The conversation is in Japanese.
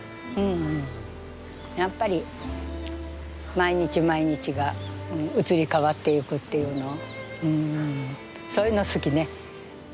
やっぱり毎日毎日が移り変わっていくっていうのうんそういうの好きね。